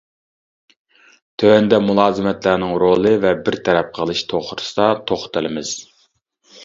تۆۋەندە مۇلازىمەتلەرنىڭ رولى ۋە بىر تەرەپ قىلىش توغرىسىدا توختىلىمىز.